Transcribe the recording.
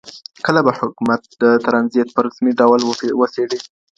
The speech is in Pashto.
کله به حکومت ترانزیت په رسمي ډول وڅیړي؟